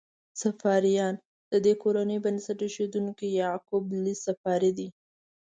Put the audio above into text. صفاریان: د دې کورنۍ بنسټ ایښودونکی یعقوب لیث صفاري دی.